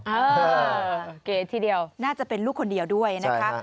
เออเก๋ทีเดียวน่าจะเป็นลูกคนเดียวด้วยนะคะ